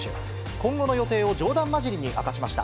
今後の予定を冗談交じりに明かしました。